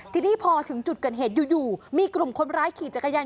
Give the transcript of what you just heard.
ทีนี้พอถึงจุดเกิดเหตุอยู่มีกลุ่มคนร้ายขี่จักรยาน